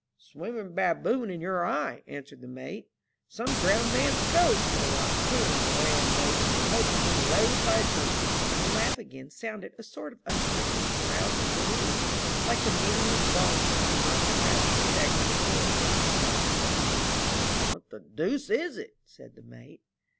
Swimming baboon in your eye," answered the mate. " Some drowned man's ghost, more like, fooling round, maybe, in hope of being laid by a drink." The laugh again sounded, a sort of unearthly carous ing hallooing, like the meaningless bawling of some drunken rascal staggering home in the small hours. 15 222 AN OCEAN MYSTEJIY. What the deuce is it ?" said the mate.